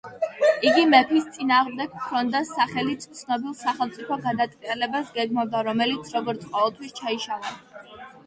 იგი მეფის წინააღმდეგ ფრონდას სახელით ცნობილ სახელმწიფო გადატრიალებას გეგმავდა რომელიც როგორც ყოველთვის ჩაიშალა.